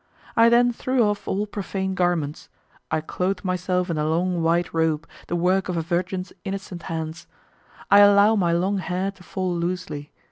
I then threw off all profane garments. I clothe myself in the long white robe, the work of a virgin's innocent hands. I allow my long hair to fall loosely.